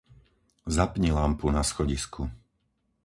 Zapni lampu na schodisku.